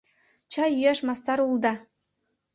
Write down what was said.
Чай йӱаш мастар улыда!